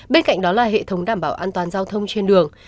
bên cạnh đó là hệ thống đảm bảo an toàn giao thông trên đường